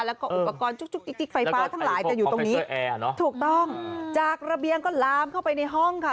แล้วก็อุปกรณ์จุ๊กจิ๊กไฟฟ้าทั้งหลายจะอยู่ตรงนี้ถูกต้องจากระเบียงก็ลามเข้าไปในห้องค่ะ